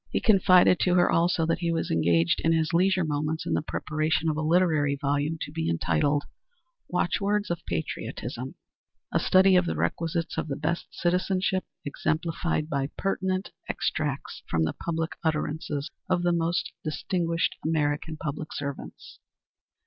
He confided to her, also, that he was engaged in his leisure moments in the preparation of a literary volume to be entitled, "Watchwords of Patriotism," a study of the requisites of the best citizenship, exemplified by pertinent extracts from the public utterances of the most distinguished American public servants.